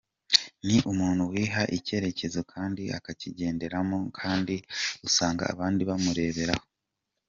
Ni umuntu wiha icyerekezo kandi akakigenderamo kandi usanga abandi bamureberaho.